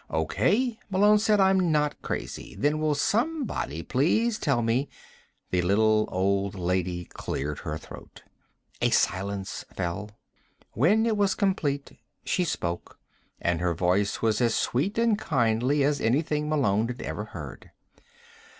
"O.K.," Malone said. "I'm not crazy. Then will somebody please tell me " The little old lady cleared her throat. A silence fell. When it was complete she spoke, and her voice was as sweet and kindly as anything Malone had ever heard.